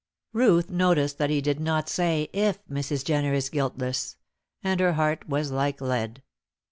Ruth noticed that he did not say "If Mrs. Jenner is guiltless," and her heart was like lead.